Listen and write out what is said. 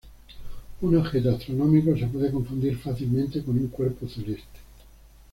Un objeto astronómico se puede confundir fácilmente con un cuerpo celeste.